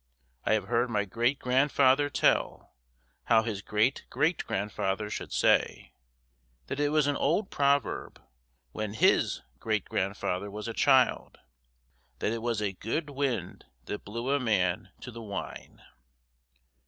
I have heard my great grandfather tell, how his great great grandfather should say, that it was an old proverb when his great grandfather was a child, that 'it was a good wind that blew a man to the wine.